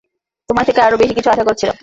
তোমার থেকে আরো বেশি কিছু আশা করছিলাম।